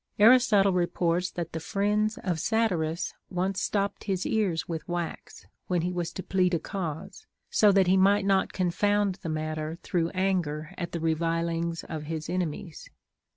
Aristotle reports that the friends of Satyrus once stopped his ears with wax, when he was to plead a cause, that so he might not confound the matter through anger at the revilings of his enemies.